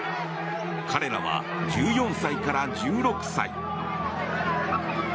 彼らは１４歳から１６歳。